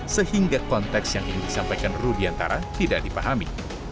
sehingga konteks yang ingin disampaikan rudiantara tidak dipahami